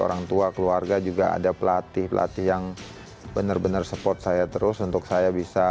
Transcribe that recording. orang tua keluarga juga ada pelatih pelatih yang benar benar support saya terus untuk saya bisa